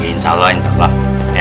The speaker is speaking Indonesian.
ya insya allah